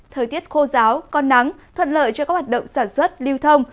thời tiết khô giáo có nắng thuận lợi cho các hoạt động sản xuất lưu thông